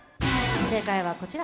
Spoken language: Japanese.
正解はこちら。